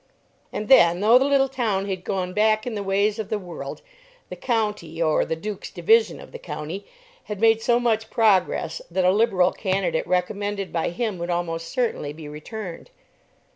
And then, though the little town had gone back in the ways of the world, the county, or the Duke's division of the county, had made so much progress, that a Liberal candidate recommended by him would almost certainly be returned.